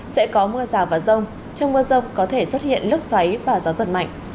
sẽ có mưa rào và rông trong mưa rông có thể xuất hiện lốc xoáy và gió giật mạnh